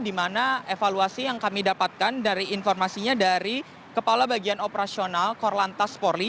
di mana evaluasi yang kami dapatkan dari informasinya dari kepala bagian operasional korlantas polri